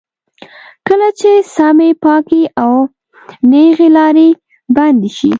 کله چې سمې، پاکې او نېغې لارې بندې شي.